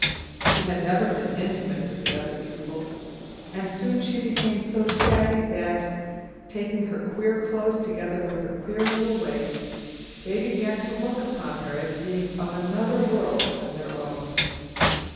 She had never been intimate with the other pupils, and soon she became so shabby that, taking her queer clothes together with her queer little ways, they began to look upon her as a being of another world than their own.